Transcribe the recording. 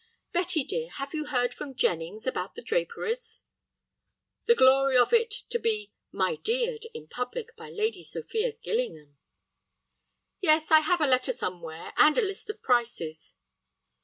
"Betty, dear, have you heard from Jennings about the draperies?" The glory of it, to be "my deared" in public by Lady Sophia Gillingham! "Yes, I have a letter somewhere, and a list of prices."